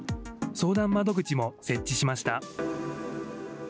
相談窓口も設置しました。